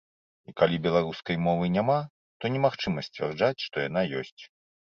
І калі беларускай мовы няма, то немагчыма сцвярджаць, што яна ёсць.